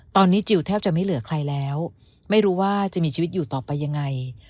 ตอนนี้จิลแทบจะไม่เหลือใครแล้วไม่รู้ว่าจะมีชีวิตอยู่ต่อไปยังไง